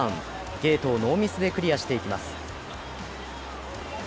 ゲートをノーミスでクリアしていきます。